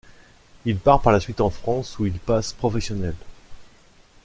Il part par la suite en France où il passe professionnel.